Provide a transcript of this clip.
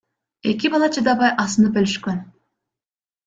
Эки бала чыдабай асынып өлүшкөн.